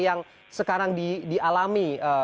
yang sekarang dialami